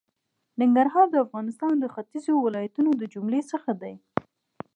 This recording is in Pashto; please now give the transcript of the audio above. ننګرهار د افغانستان د ختېځو ولایتونو د جملې څخه دی.